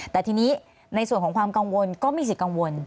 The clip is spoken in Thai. แต่ทีนี้ในส่วนของความกังวลก็มีสิทธิ์กังวล